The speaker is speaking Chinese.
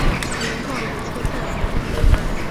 才能到缆车站